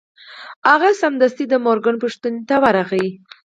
هغه سمدستي د مورګان پوښتنې ته ورغی